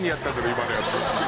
今のやつ」